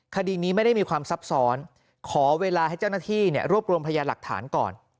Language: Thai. คดีนี้ไม่ได้มีความซับซ้อนขอเวลาให้เจ้าหน้าที่รวบรวมพยานหลักฐานก่อน